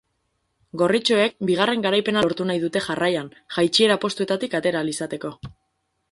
Gorritxoek bigarren garaipena lortu nahi dute jarraian, jaitsiera postuetatik atera ahal izateko.